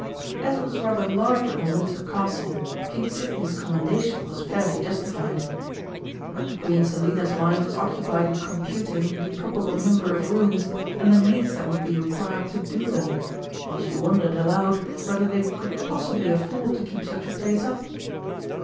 As it was rather larger than Windsor Castle, King Sidney's commendation was fairly justified. But Queen Selina's mind was occupied in computing the probable number of rooms, and the maids that would be required to "do" them, while she wondered aloud whether they could possibly afford to keep such a place up.